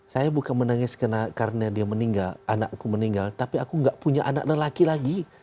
saya bukan menangis karena dia meninggal anakku meninggal tapi aku nggak punya anak lelaki lagi